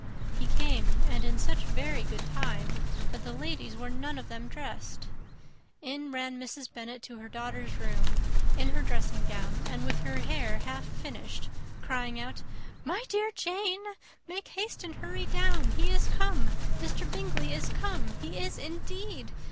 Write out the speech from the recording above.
He came, and in such very good time, that the ladies were none of them dressed. In ran Mrs. Bennet to her daughters' room, in her dressing gown, and with her hair half finished, crying out, "My dear Jane, make haste and hurry down. He is come Mr. Bingley is come. He is, indeed.